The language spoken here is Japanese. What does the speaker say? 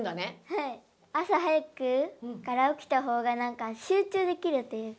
はい朝早くから起きた方が何か集中できるっていうか。